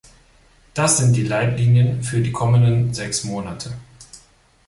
Das sind die Leitlinien für die kommenden sechs Monate.